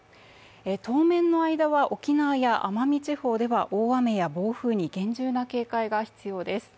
当面の間は沖縄や奄美地方では大雨や暴風雨に厳重な警戒が必要です。